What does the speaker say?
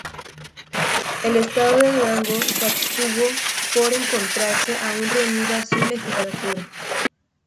El estado de Durango se abstuvo por encontrarse aún reunida su Legislatura.